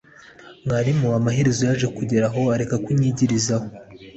mwarimu Amaherezo yaje kugera aho areka kunyigirizaho